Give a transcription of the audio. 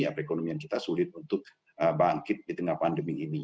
perekonomian kita sulit untuk bangkit di tengah pandemi ini